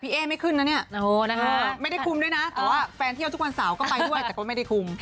เอ๊ไม่ขึ้นนะเนี่ยไม่ได้คุมด้วยนะแต่ว่าแฟนเที่ยวทุกวันเสาร์ก็ไปด้วยแต่ก็ไม่ได้คุม